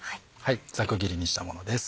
ざく切りにしたものです。